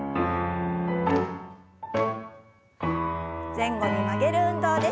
前後に曲げる運動です。